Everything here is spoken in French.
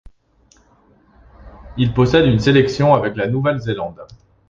Il possède une sélection avec la Nouvelle-Zélande.